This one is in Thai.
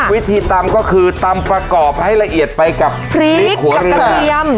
วิธีตำก็คือต้มประกบให้ละเอียดไปกับพริกหัวเรือง